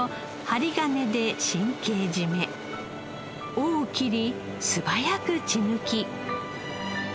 尾を切り素早く血抜き。